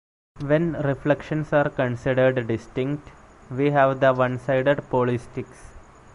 When reflections are considered distinct we have the "one-sided" polysticks.